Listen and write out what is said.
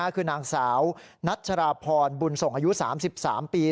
คือนางสาวนัชราพรบุญส่งอายุ๓๓ปี